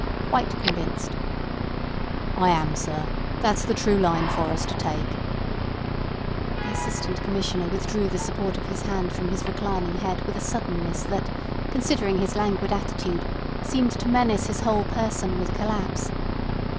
"Quite convinced? "I am, sir. That's the true line for us to take." The Assistant Commissioner withdrew the support of his hand from his reclining head with a suddenness that, considering his languid attitude, seemed to menace his whole person with collapse.